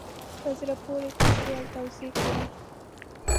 په زړه پوري تشریح او توضیح کوي.